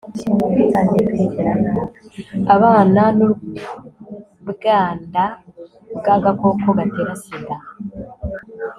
abana n'ubwanda bw'agakoko gatera sida